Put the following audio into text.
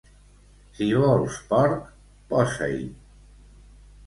Si vols porc, posa-hi.